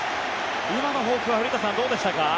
今のフォークは古田さん、どうでしたか？